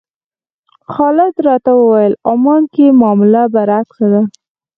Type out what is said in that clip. خالد راته وویل عمان کې معامله برعکس ده.